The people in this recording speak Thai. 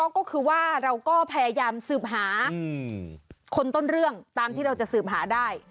ก็คือว่าเราก็พยายามสืบหาคนต้นเรื่องตามที่เราจะสืบหาได้